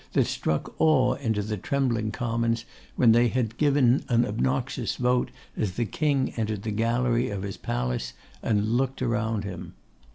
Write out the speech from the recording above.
that struck awe into the trembling Commons when they had given an obnoxious vote, as the King entered the gallery of his palace, and looked around him.